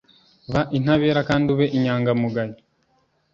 ba intabera kandi ube inyangamugayo